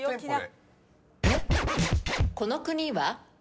この国は？